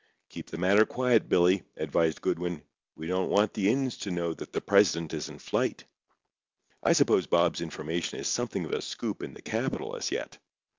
"Keep the matter quiet, Billy," advised Goodwin. "We don't want the Ins to know that the president is in flight. I suppose Bob's information is something of a scoop in the capital as yet.